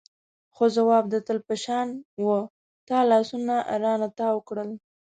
خو ځواب د تل په شان و تا لاسونه رانه تاو کړل.